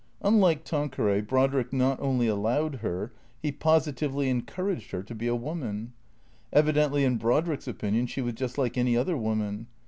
Unlike Tanqueray, Brodrick not only allowed her, he positively encouraged her to be a woman. Evidently, in Brodrick's opin ion she was just like any other woman.